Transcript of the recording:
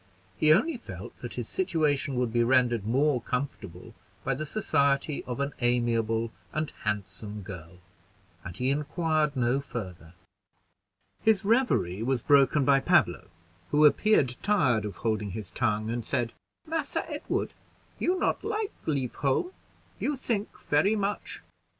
He only felt that his situation would be rendered more comfortable by the society of an amiable and handsome girl, and he inquired no further. His revery was broken by Pablo, who appeared tired of holding his tongue, and said, "Massa Edward, you not like leave home you think very much.